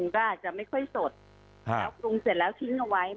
ก็จะไม่ค่อยสดฮ่ะผรุงเสร็จแล้วกินเอาไว้